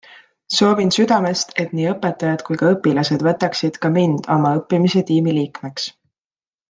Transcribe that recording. Soovin südamest, et nii õpetajad kui ka õpilased võtaksid ka mind oma õppimise tiimi liikmeks.